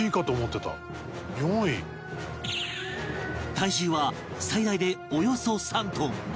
体重は最大でおよそ３トン